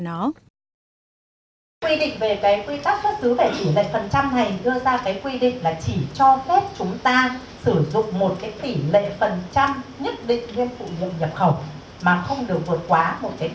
quy định về quy tắc xuất xứ về tỷ lệ phần trăm này đưa ra quy định là chỉ cho phép chúng ta sử dụng một tỷ lệ phần trăm nhất định